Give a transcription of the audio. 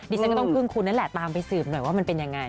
ฉันก็ต้องพึ่งคุณนั่นแหละตามไปสืบหน่อยว่ามันเป็นยังไง